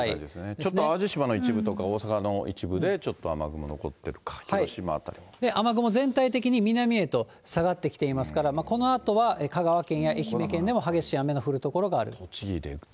ちょっと淡路島の一部とか、大阪の一部でちょっと雨雲残ってるか、雨雲、全体的に南へと下がってきていますから、このあとは香川県や愛媛県でも激しい雨の降る所があると。